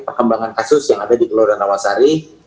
perkembangan kasus yang ada di kelurahan rawasari